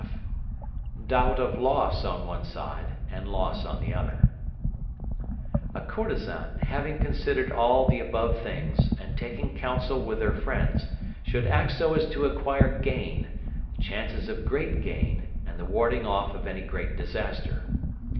(f). Doubt of loss on one side, and loss on the other. A courtesan, having considered all the above things, and taken council with her friends, should act so as to acquire gain, the chances of great gain, and the warding off of any great disaster.